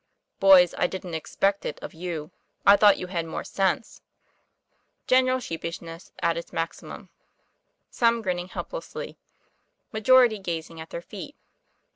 Boys, I didn't expect it of you. I thought you had more sense.' General sheepishness at its maximum. Some TOM PLAYFAIR. 193 grinning helplessly. Majority gazing at their feet.